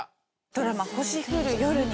ドラマ『星降る夜に』。